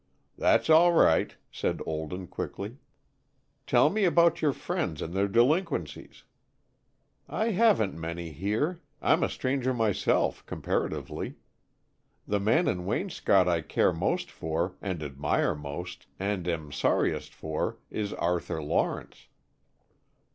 "That's all right," said Olden, quickly. "Tell me about your friends and their delinquencies." "I haven't many here. I'm a stranger myself, comparatively. The man in Waynscott I care most for, and admire most, and am sorriest for, is Arthur Lawrence."